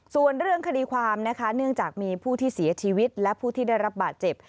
ส่วนเรื่องคดีความนะคะเนื่องจากมีผู้ที่เสียชีวิตและผู้ที่ได้รับบาดเจ็บ